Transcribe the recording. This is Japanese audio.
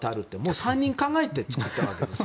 ３人考えて作ったわけですよ。